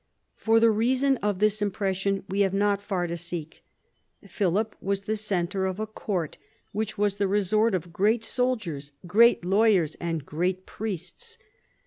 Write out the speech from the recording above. For the reason of this impression we have not far to seek. Philip was the centre of a court which was the resort of great soldiers, great lawyers, and great priests.